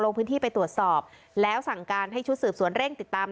ลงพื้นที่ไปตรวจสอบแล้วสั่งการให้ชุดสืบสวนเร่งติดตาม